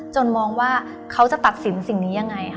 มองว่าเขาจะตัดสินสิ่งนี้ยังไงค่ะ